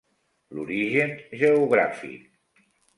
L'origen geogràfic: